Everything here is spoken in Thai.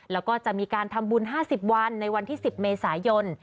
แล้วก็จะมีการทำบุญ๕๐วันในวันที่๑๐เมษายน